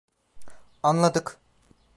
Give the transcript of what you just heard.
Anladık.